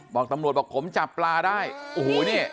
บอกตำรวจบอกผมจับปลาได้โอ้โหนี่